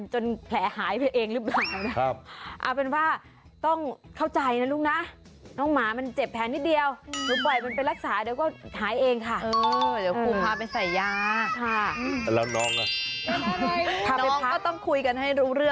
ให้ไหนร้ายหนูโทรอยู่